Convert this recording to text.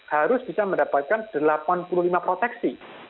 harus bisa mendapatkan delapan puluh lima proteksi